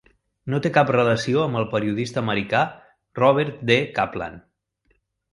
No té cap relació amb el periodista americà Robert D. Kaplan.